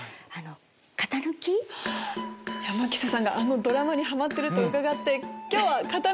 牧瀬さんがあのドラマにハマってると伺って今日は。